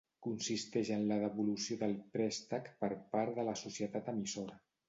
Consisteix en la devolució del préstec per part de la societat emissora.